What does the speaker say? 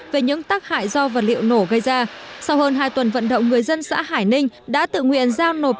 về những tác hại do vật liệu nổ gây ra sau hơn hai tuần vận động người dân xã hải ninh đã tự nguyện giao nộp